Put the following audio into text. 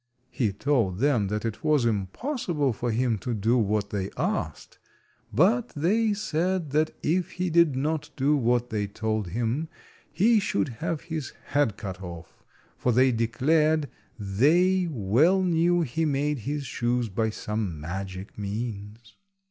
He told them that it was impossible for him to do what they asked, but they said that if he did not do what they told him he should have his head cut off, for they declared they well knew he made his shoes by some magic means.